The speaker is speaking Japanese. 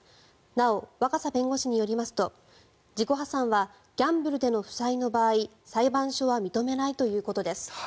なお、若狭弁護士によりますと自己破産はギャンブルでの負債の場合裁判所は認めないということです。